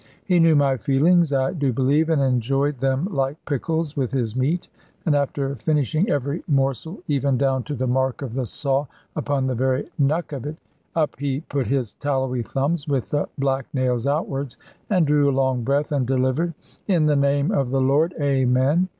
He knew my feelings, I do believe, and enjoyed them like pickles with his meat; and after finishing every morsel, even down to the mark of the saw upon the very knuck of it, up he put his tallowy thumbs with the black nails outwards, and drew a long breath, and delivered, "In the name of the Lord, Amen.